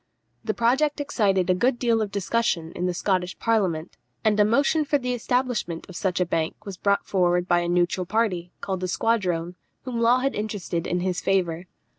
The project excited a good deal of discussion in the Scottish Parliament, and a motion for the establishment of such a bank was brought forward by a neutral party, called the Squadrone, whom Law had interested in his favour.